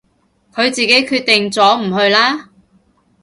佢自己決定咗唔去啦